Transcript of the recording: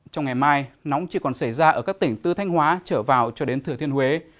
trong ngày mai nóng chỉ còn xảy ra ở các tỉnh từ thanh hóa trở vào cho đến thừa thiên huế